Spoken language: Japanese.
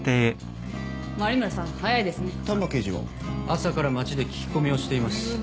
朝から街で聞き込みをしています。